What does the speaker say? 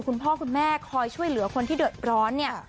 คุณพ่อคุณแม่คอยช่วยเหลือคนที่เดือดร้อนเนี่ย